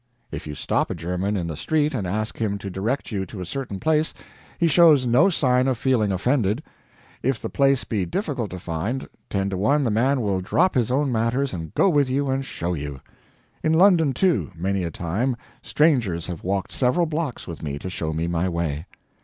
If you stop a German in the street and ask him to direct you to a certain place, he shows no sign of feeling offended. If the place be difficult to find, ten to one the man will drop his own matters and go with you and show you. In London, too, many a time, strangers have walked several blocks with me to show me my way.